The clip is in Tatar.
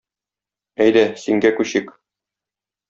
Әйдә, "син"гә күчик.